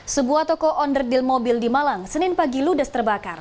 sebuah toko onder deal mobil di malang senin pagi ludes terbakar